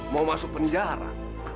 mau masuk penjara